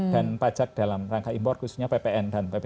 dan pajak dalam rangka impor khususnya ppn dan ppc